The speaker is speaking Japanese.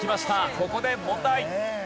ここで問題。